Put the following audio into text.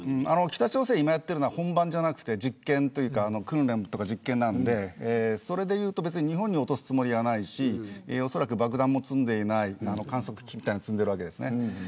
北朝鮮が今やっているのは本番じゃなくて訓練とか実験なのでそれでいうと日本に落とすつもりはないしおそらく爆弾も積んでいない観測機みたいなやつを積んでるわけです。